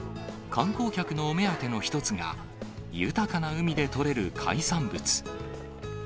観光客のお目当ての一つが、豊かな海で取れる海産物。